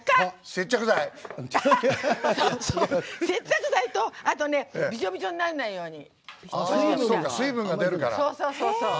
接着剤と、あとねびちゃびちゃにならないように。